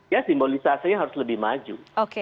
ya simbolisasinya harus lebih maju